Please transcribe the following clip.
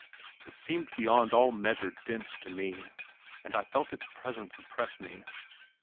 It seemed beyond all measure dense to me, and I felt its presence oppress me.